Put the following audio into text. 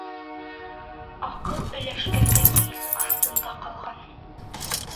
Аҡыл өләшкәндә мейес аҫтында ҡалған.